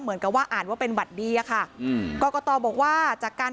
เหมือนกับว่าอ่านว่าเป็นบัตรดีอะค่ะอืมกรกตบอกว่าจากการ